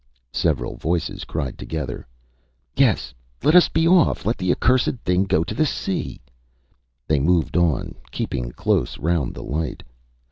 Â Several voices cried together. ÂYes, let us be off! Let the accursed thing go to the sea!Â They moved on, keeping close round the light.